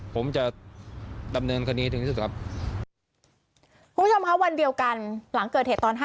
ผมจะดำเนินคดีถึงที่สุดครับคุณผู้ชมค่ะวันเดียวกันหลังเกิดเหตุตอน๕